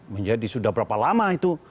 menjadi sudah berapa lama itu